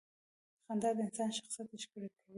• خندا د انسان شخصیت ښکلې کوي.